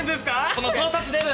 この盗撮デブ。